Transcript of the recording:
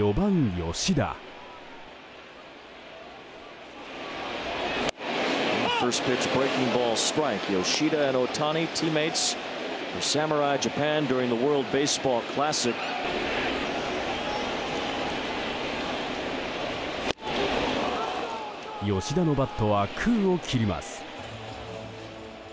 吉田のバットは空を切ります。